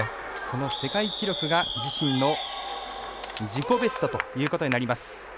その世界記録が、自身の自己ベストということになります。